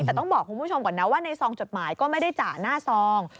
แต่ต้องบอกคุณผู้ชมก่อนนะว่าในซองจดหมายก็ไม่ได้จ่าหน้าซอง